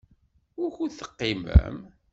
Wukud teqqimem?